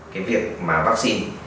cái việc mà vắc xin